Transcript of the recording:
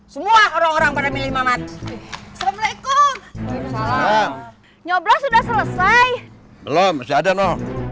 semua orang orang pada milih mamat assalamualaikum nyoblos sudah selesai belum masih ada no